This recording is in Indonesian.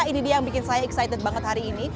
ini dia yang bikin saya excited banget hari ini